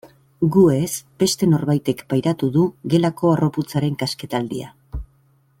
Gu ez beste norbaitek pairatu du gelako harroputzaren kasketaldia.